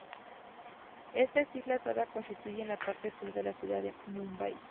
Estas islas ahora constituyen la parte sur de la ciudad de Mumbai.